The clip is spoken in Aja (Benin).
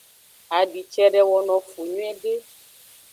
Adi cede wono fu nyuiede.